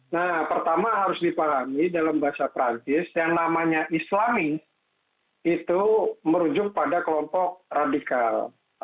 nah pertama harus dipahami dalam bahasa perancis yang namanya islami itu merujuk pada kelompok radikal